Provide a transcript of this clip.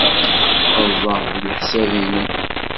Ɣelḍeɣ deg leḥsab-nnem.